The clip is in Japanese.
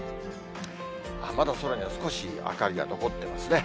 まだ空には少し明かりが残ってますね。